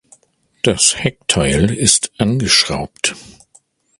Das Heckteil ist angeschraubt.